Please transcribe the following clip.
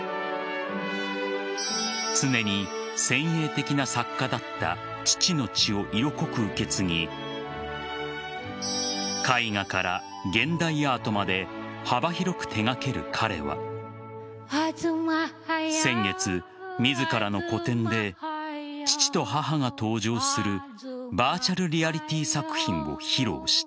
常に先鋭的な作家だった父の血を色濃く受け継ぎ絵画から現代アートまで幅広く手がける彼は先月、自らの個展で父と母が登場するバーチャルリアリティー作品を披露した。